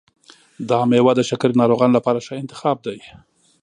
دا میوه د شکرې ناروغانو لپاره ښه انتخاب دی.